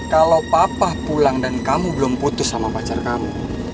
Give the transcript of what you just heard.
kalau papa pulang dan kamu belum putus sama pacar kamu